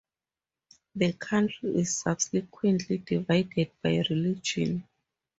The country is subsequently divided by religion.